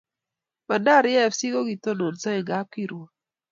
Bandari fc ko kikitonosi en kapkirwok